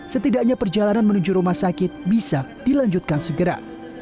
setidaknya perjalanan menuju rumah sakit bisa dilanjutkan segera